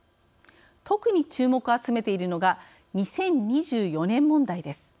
特に注目を集めているのが２０２４年問題です。